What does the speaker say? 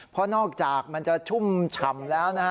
เพราะนอกจากมันจะชุ่มฉ่ำแล้วนะฮะ